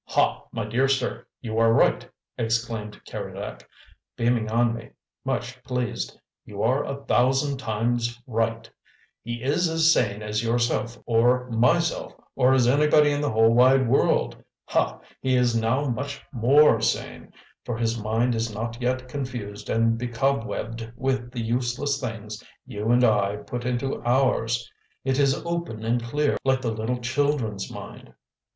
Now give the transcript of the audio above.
"Ha, my dear sir, you are right!" exclaimed Keredec, beaming on me, much pleased. "You are a thousand times right; he is as sane as yourself or myself or as anybody in the whole wide world! Ha! he is now much MORE sane, for his mind is not yet confused and becobwebbed with the useless things you and I put into ours. It is open and clear like the little children's mind.